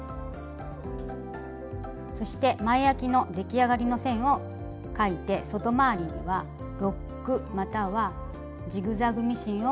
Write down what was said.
そして前あきの出来上がりの線を描いて外回りにはロックまたはジグザグミシンをかけておいてください。